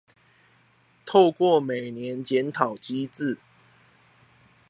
透過每年檢討機制